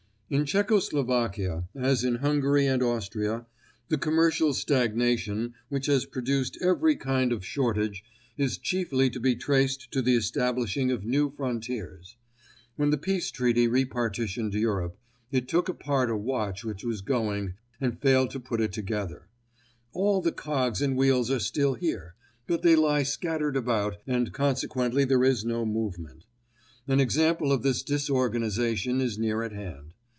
In Czecho Slovakia, as in Hungary and Austria, the commercial stagnation which has produced every kind, of shortage, is chiefly to be traced to the establishing of new frontiers. When the Peace Treaty repartitioned Europe, it took apart a watch which was going, and failed to put it together. All the cogs and wheels are still here, but they lie scattered about and consequently there is no movement. An example of this disorganization is near at hand.